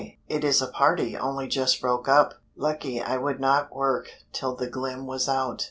it is a party only just broke up. Lucky I would not work till the glim was out."